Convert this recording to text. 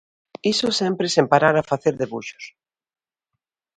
Iso sempre sen parar a facer debuxos.